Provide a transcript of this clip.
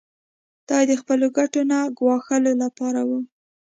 دا یې د خپلو ګټو نه ګواښلو لپاره و.